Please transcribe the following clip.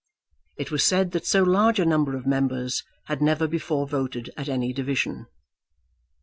It was said that so large a number of members had never before voted at any division.